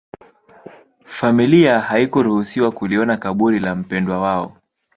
familia haikuruhusiwa kuliona kaburi la mpwendwa wao